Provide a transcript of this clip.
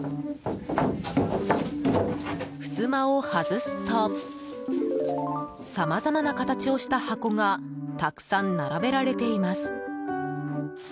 ふすまを外すとさまざまな形をした箱がたくさん並べられています。